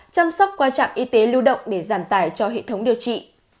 chăm sóc quan trọng y tế lưu động để giảm tài cho hệ thống điều trị